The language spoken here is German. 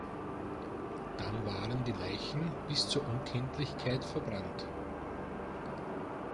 Dann waren die Leichen bis zur Unkenntlichkeit verbrannt.